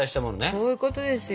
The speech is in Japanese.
そういうことですよ。